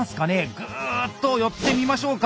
グーッと寄ってみましょうか！